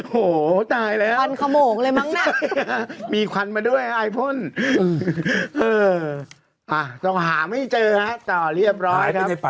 โหตายแล้วมีควันมาด้วยไอพ่นต้องหาไม่เจอนะต่อเรียบร้อยครับ